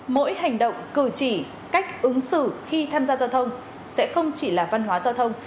mỗi hành động cử chỉ cách ứng xử khi tham gia giao thông sẽ không chỉ là văn hóa giao thông